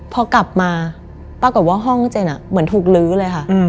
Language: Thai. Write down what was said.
พอกลับมาปรากฏว่าห้องเจนเหมือนถูกลื้อเลยค่ะ